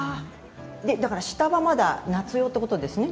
だから下はまだ夏用ってことですね？